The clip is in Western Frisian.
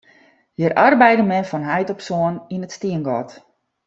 Hjir arbeide men fan heit op soan yn it stiengat.